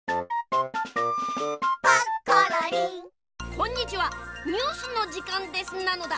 こんにちはニュースのじかんですなのだ。